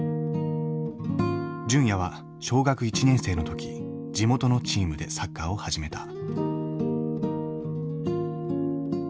純也は小学１年生の時地元のチームでサッカーを始めた。